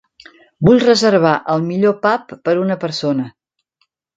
Vull reservar el millor pub per una persona.